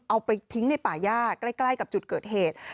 เอาไปทิ้งในป่าย่าใกล้กับจุดเกิดเหตุ